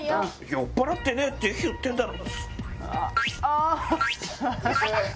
酔っぱらってねえって言ってんだろ。